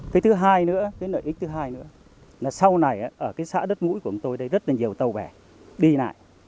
cái thứ hai nữa cái lợi ích thứ hai nữa là sau này ở cái xã đất mũi của chúng tôi đây rất là nhiều tàu bè đi lại